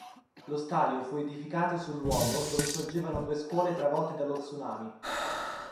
Lo stadio fu edificato sul luogo dove sorgevano due scuole travolte dallo tsunami.